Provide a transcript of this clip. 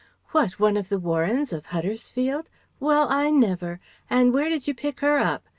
"What, one of the Warrens of Huddersfield? Well, I never! And where did you pick her up?